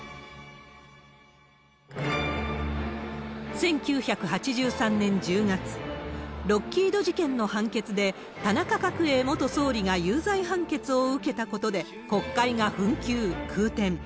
１９８３年１０月、ロッキード事件の判決で田中角栄元総理が有罪判決を受けたことで、国会が紛糾、空転。